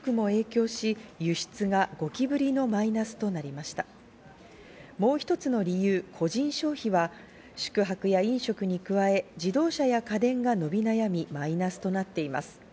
もう一つの理由、個人消費は宿泊や飲食に加え、自動車や家電が伸び悩み、マイナスとなっています。